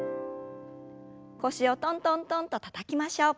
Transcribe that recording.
腰をトントントンとたたきましょう。